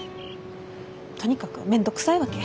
とにかく面倒くさいわけ。